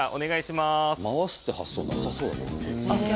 回すって発想なさそうだけど。